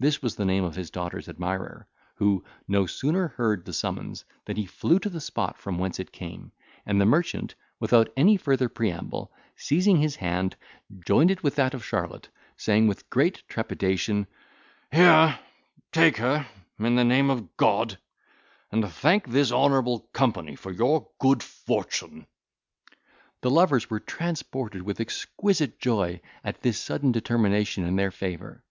This was the name of his daughter's admirer, who no sooner heard the summons than he flew to the spot from whence it came, and the merchant, without any further preamble, seizing his hand, joined it with that of Charlotte, saying, with great trepidation, "Here, take her, in the name of God, and thank this honourable company for your good fortune." The lovers were transported with exquisite joy at this sudden determination in their favour.